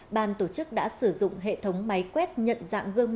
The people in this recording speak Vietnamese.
ban tổ chức đã sử dụng hệ thống máy quét nhận dạng gương mặt